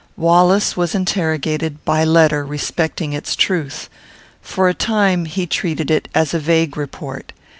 Wallace was interrogated, by letter, respecting its truth. For a time, he treated it as a vague report.